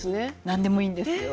何でもいいんですよ。